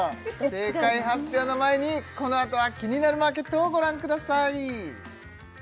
正解発表の前にこのあとはキニナルマーケットをご覧ください